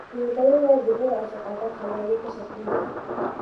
د مطالعې له لارې د پوهې او ثقافت خزانې کشف کیږي.